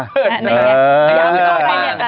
ยังไง